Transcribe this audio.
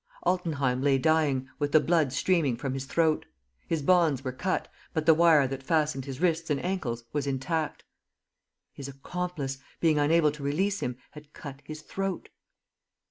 Altenheim lay dying, with the blood streaming from his throat! His bonds were cut, but the wire that fastened his wrists and ankles was intact. _His accomplice, being unable to release him, had cut his throat.